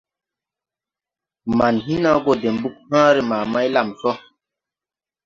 Man Hiina go de mbug hããre ma Maylamso.